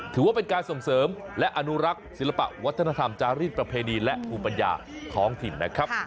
ถือว่าเป็นการส่งเสริมและอนุรักษ์ศิลปะวัฒนธรรมจาริสประเพณีและภูมิปัญญาท้องถิ่นนะครับ